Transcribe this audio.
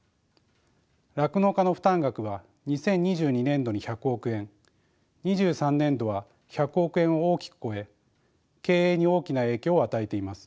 酪農家の負担額は２０２２年度に１００億円２３年度は１００億円を大きく超え経営に大きな影響を与えています。